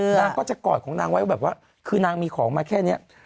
นางก็จะกอดของนางไว้แบบว่าคือนางมีของมาแค่นี้